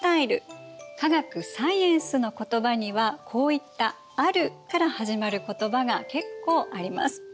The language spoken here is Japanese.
科学サイエンスの言葉にはこういったアルから始まる言葉が結構あります。